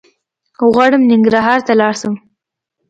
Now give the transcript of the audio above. غواړم ننګرهار ته لاړ شم